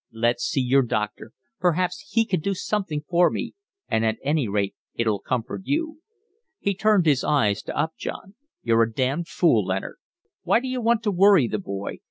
Let's see your doctor, perhaps he can do something for me, and at any rate it'll comfort you." He turned his eyes to Upjohn. "You're a damned fool, Leonard. Why d'you want to worry the boy?